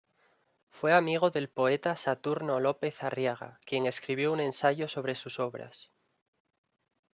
Fue amigo del poeta Saturno López Arriaga, quien escribió un ensayo sobre sus obras.